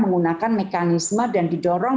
menggunakan mekanisme dan didorong